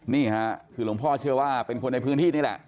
นี่ค่ะคือหลวงพ่อเชื่อว่าเป็นคนในพื้นที่นี่แหละ